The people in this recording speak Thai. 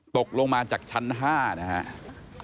ตกลงมาจากชั้น๕นะครับ